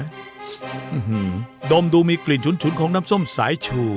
อื้อหือดมดูมีกลิ่นชุนของน้ำส้มสายชู